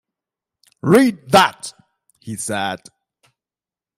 “Read that,” he said.